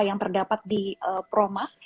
yang terdapat di proma